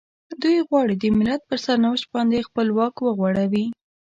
دوی غواړي د ملت پر سرنوشت باندې خپل واک وغوړوي.